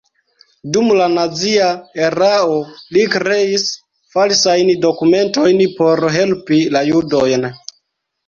Dum la nazia erao li kreis falsajn dokumentojn por helpi la judojn.